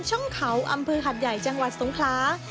ช่องเขาอำเภอหัดใหญ่จังหวัดสงคลา